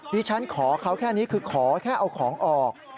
ดิฉันขอเขาแค่นี้คือขอแค่เอาของออก